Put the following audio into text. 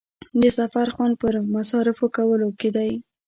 د سفر خوند پر مصارفو کولو کې دی.